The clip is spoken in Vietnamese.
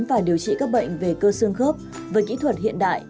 và điều trị các bệnh về cơ xương khớp với kỹ thuật hiện đại